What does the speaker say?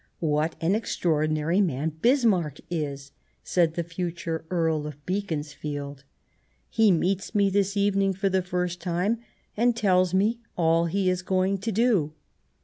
" What an extraordinary man Bismarck is !" said the future Earl of Beaconsfield. " He meets me this evening for the first time and tells me all he is going to do.